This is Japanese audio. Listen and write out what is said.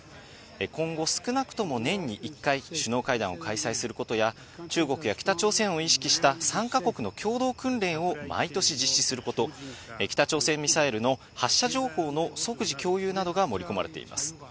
今後、少なくとも年に１回首脳会談を開催することや、中国や北朝鮮を意識した３か国の共同訓練を毎年実施すること、北朝鮮ミサイルの発射情報の即時共有などが盛り込まれています。